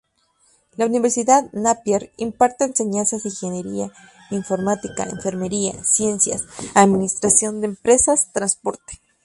La Universidad Napier imparte enseñanzas en ingeniería, informática, enfermería, ciencias, administración de empresas, transporte.